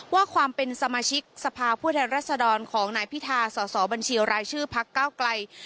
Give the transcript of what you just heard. ว่าความเป็นสมาชิกสภาพผู้แทนรัฐธรรมของนายพิทาสบรชพักเก้าไกลย์